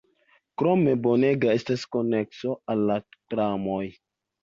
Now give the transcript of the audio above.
Krome bonega estas konekso al la tramoj.